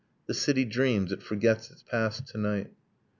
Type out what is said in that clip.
. The city dreams, it forgets its past to night.